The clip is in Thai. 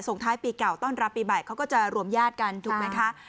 ท้ายปีเก่าต้อนรับปีใหม่เขาก็จะรวมญาติกันถูกไหมคะ